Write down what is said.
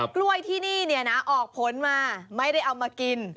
กล้วยที่นี่เนี่ยนะออกผลมาไม่ได้เอามากิน